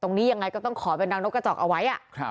ยังไงก็ต้องขอเป็นรังนกกระจอกเอาไว้